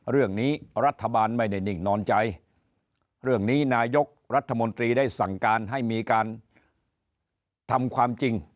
รัฐบาลไม่ได้นิ่งนอนใจเรื่องนี้นายกรัฐมนตรีได้สั่งการให้มีการทำความจริง